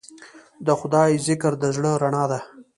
د خدای ذکر د زړه رڼا ده.